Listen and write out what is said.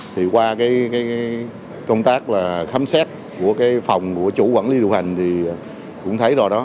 thì qua cái công tác là khám xét của cái phòng của chủ quản lý điều hành thì cũng thấy do đó